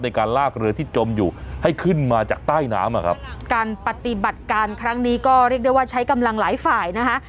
ในการลากเรือที่จมอยู่ให้ขึ้นมาจากใต้น้ำอ่ะครับการปฏิบัติการครั้งนี้ก็เรียกได้ว่าใช้กำลังหลายฝ่ายนะคะ